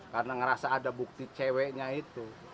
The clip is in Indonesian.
karena ngerasa ada bukti ceweknya itu